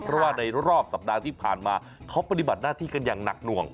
เพราะว่าในรอบสัปดาห์ที่ผ่านมาเขาปฏิบัติหน้าที่กันอย่างหนักหน่วง